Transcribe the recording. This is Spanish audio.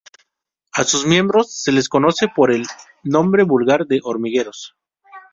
A sus miembros se les conoce por el nombre vulgar de hormigueros.